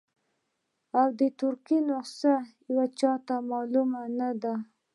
او ترکي نسخه یې چاته معلومه نه ده.